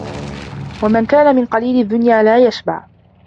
وَمَنْ كَانَ مِنْ قَلِيلِ الدُّنْيَا لَا يَشْبَعُ